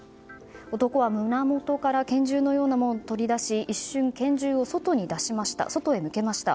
男は、胸元から拳銃のようなものを取り出し一瞬、拳銃を外へ向けました。